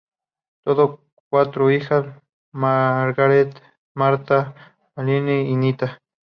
Tuvo cuatro hijas: Margaret, Martha, Valerie y Nita.